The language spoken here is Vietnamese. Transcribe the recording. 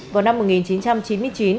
vào năm một nghìn chín trăm chín mươi chín